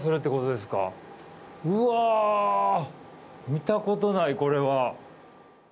見たことないこれは。